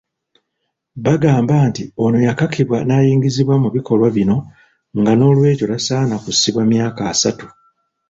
Bagamba nti ono yakakibwa n'ayingizibwa mu bikolwa bino nga n'olwekyo tasaana kusibwa myaka asatu.